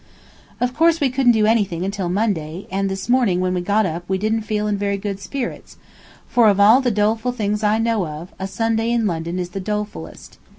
Of course we couldn't do anything until Monday, and this morning when we got up we didn't feel in very good spirits, for of all the doleful things I know of, a Sunday in London is the dolefullest.